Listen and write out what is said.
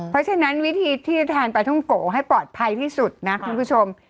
เพราะฉะนั้นวิธีที่จะทานปลาท่องโกให้ปลอดภัยที่สุดนะคุณผู้ชม